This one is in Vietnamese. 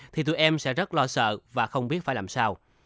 thì tụi em sẽ rất lo sợ và không biết phải làm sao